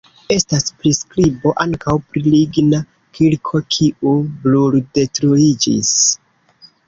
Estas priskribo ankaŭ pri ligna kirko, kiu bruldetruiĝis.